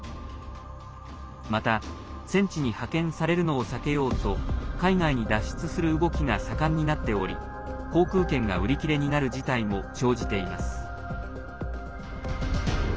また、戦地に派遣されるのを避けようと海外に脱出する動きが盛んになっており航空券が売り切れになる事態も生じています。